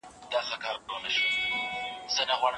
تاریخ ته له بېلا بېلو زاویو کتل کیږي.